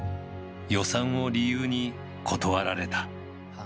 予算を理由に断られた。